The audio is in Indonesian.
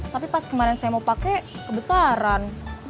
tapi pas kemarin saya mau pakai kebesaran